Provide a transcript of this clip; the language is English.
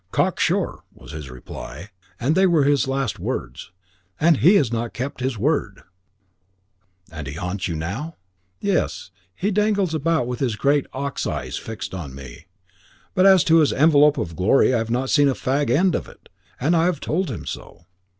'Cocksure' was his reply; and they were his last words. And he has not kept his word." "And he haunts you now?" "Yes. He dangles about with his great ox eyes fixed on me. But as to his envelope of glory I have not seen a fag end of it, and I have told him so."